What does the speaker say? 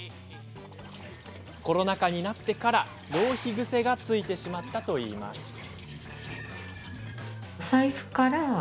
コロナ禍になってから浪費癖がついてしまったといいます。